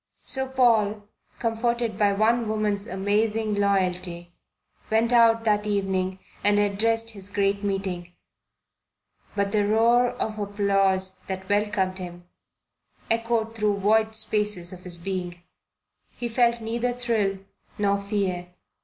So Paul, comforted by one woman's amazing loyalty, went out that evening and addressed his great meeting. But the roar of applause that welcomed him echoed through void spaces of his being. He felt neither thrill nor fear.